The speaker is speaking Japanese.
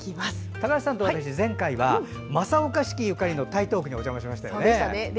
高橋さんと一緒に前回は正岡子規ゆかりの台東区にお邪魔しましたね。